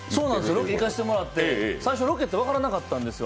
ロケ、行かせてもらって最初、ロケって分からなかったんですよ。